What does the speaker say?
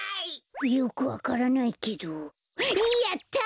よくわからないけどやった！